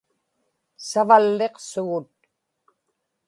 Savalliqtugut